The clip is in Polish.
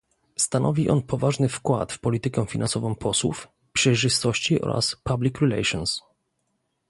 Stanowi on poważny wkład w politykę finansową posłów, przejrzystości oraz public relations